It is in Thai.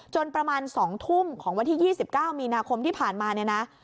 จนประมาณ๒ทุ่มของวันที่๒๙มีนาคมที่ผ่านมา